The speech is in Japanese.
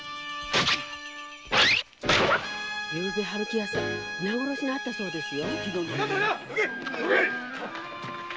昨夜春喜屋さん皆殺しにあったそうですよ。